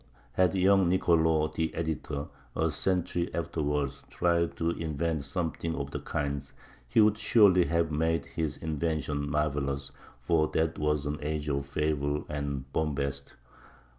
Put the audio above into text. Had young Nicolò the editor, a century afterward, tried to invent something of the kind, he would surely have made his invention marvelous, for that was an age of fable and bombast.